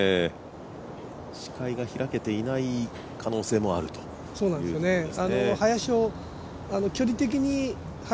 視界が開けていない可能性もあるということですね。